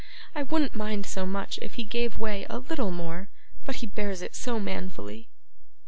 I wouldn't mind so much if he gave way a little more; but he bears it so manfully.